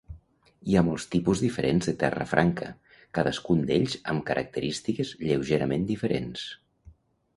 Hi ha molts tipus diferents de terra franca, cadascun d'ells amb característiques lleugerament diferents.